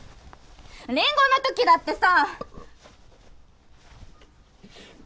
りんごのときだってさ